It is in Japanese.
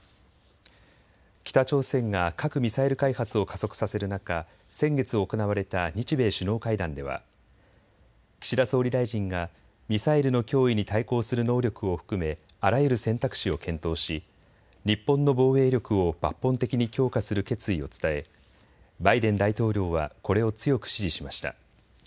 北朝鮮が核・ミサイル開発を加速させる中、先月行われた日米首脳会談では岸田総理大臣がミサイルの脅威に対抗する能力を含めあらゆる選択肢を検討し日本の防衛力を抜本的に強化する決意を伝えバイデン大統領はこれを強く支持しました。